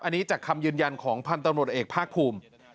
อันนี้จากคำยืนยันของพันธุ์ตำรวจเอกภาคภูมิ